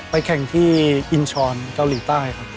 แข่งที่อินชรเกาหลีใต้ครับ